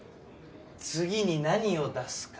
次に何を出すか。